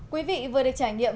quý vị vừa được trải nghiệm